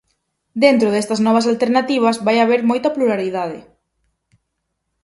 Dentro destas novas alternativas vai haber moita pluralidade.